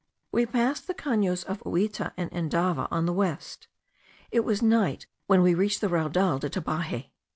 We passed the Canos of Uita and Endava on the west. It was night when we reached the Raudal de Tabaje.